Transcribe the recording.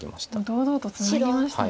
堂々とツナぎましたね。